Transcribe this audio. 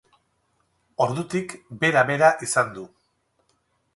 Ordutik Bera Bera izan du.